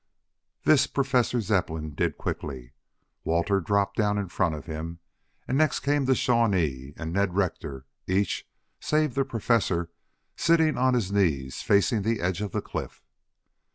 This Professor Zepplin did quickly. Walter dropped down in front of him, and next came the Shawnee and Ned Rector, each, save the Professor, sitting on his knees, facing the edge of the cliff.